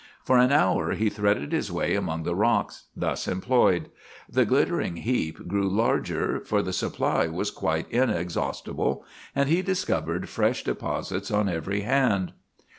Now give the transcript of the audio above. For an hour he threaded his way among the rocks, thus employed. The glittering heap grew larger, for the supply was quite inexhaustible, and he discovered fresh deposits on every hand.